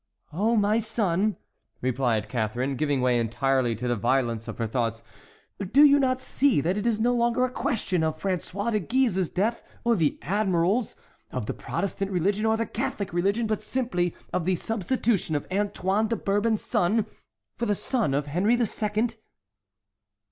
"Oh, my son," replied Catharine, giving way entirely to the violence of her thoughts, "do you not see that it is no longer a question of François de Guise's death or the admiral's, of the Protestant religion or the Catholic religion, but simply of the substitution of Antoine de Bourbon's son for the son of Henry the Second?"